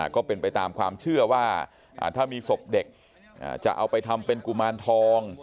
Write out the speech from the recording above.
ก็เป็นไปตามความเชื่อว่าถ้ามีศพเด็กจะเอาไปทำเป็นกุมารทอง